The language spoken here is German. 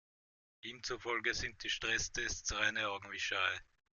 Ihm zufolge sind die Stresstests reine Augenwischerei.